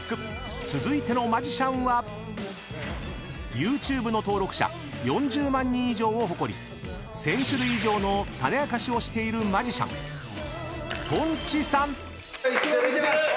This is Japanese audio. ［ＹｏｕＴｕｂｅの登録者４０万人以上を誇り１，０００種類以上の種明かしをしているマジシャンポンチさん］